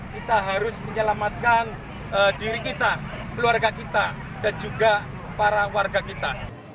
kita harus menyelamatkan diri kita keluarga kita dan juga para warga kita